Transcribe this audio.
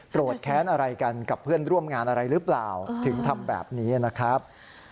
แค้นอะไรกันกับเพื่อนร่วมงานอะไรหรือเปล่าถึงทำแบบนี้นะครับ